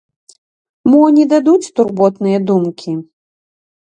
Мо не дадуць турботныя думкі?